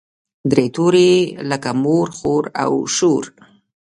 درې توري لکه مور، خور او شور.